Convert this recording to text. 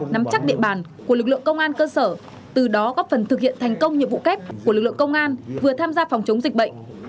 nắm chắc địa bàn của lực lượng công an cơ sở từ đó góp phần thực hiện thành công nhiệm vụ kép của lực lượng công an vừa tham gia phòng chống dịch bệnh